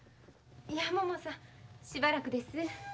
ももさんしばらくです。